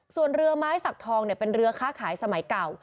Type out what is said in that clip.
ส่วนเรือไม้สักทองเป็นเรือค้าขายสมัยเก่า